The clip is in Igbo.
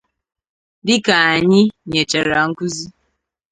Dịka anyị nyechara nkụzi